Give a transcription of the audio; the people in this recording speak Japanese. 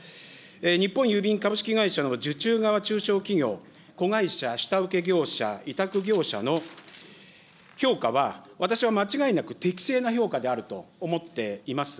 日本郵便株式会社の受注側中小企業、子会社、下請け業者、委託業者の評価は、私は間違いなく適正な評価であると思っています。